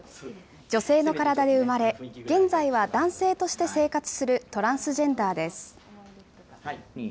女性の体で生まれ、現在は男性として生活するトランスジェンダーです。